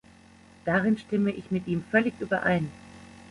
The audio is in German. Darin stimme ich mit ihm völlig überein.